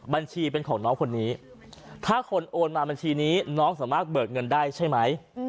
บัญชีเป็นของน้องคนนี้ถ้าคนโอนมาบัญชีนี้น้องสามารถเบิกเงินได้ใช่ไหม